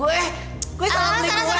gue gue salah beli gue ya